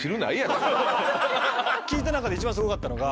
聞いた中で一番すごかったのが。